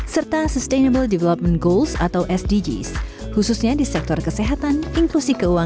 serta sustainable development goals atau sdgs khususnya di sektor kesehatan inklusi keuangan